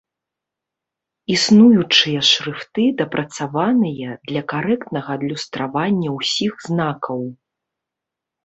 Існуючыя шрыфты дапрацаваныя для карэктнага адлюстравання ўсіх знакаў.